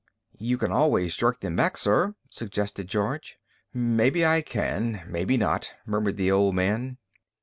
"You can always jerk them back, sir," suggested George. "Maybe I can, maybe not," murmured the old man.